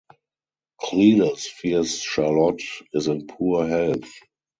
Cledus fears Charlotte is in poor health.